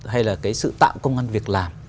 hay là sự tạo công ngân việc làm